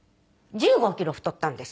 １５キロ太ったんです。